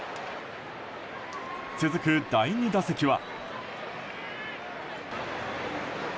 続く第２打席は。